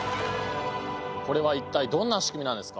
これは一体どんな仕組みなんですか？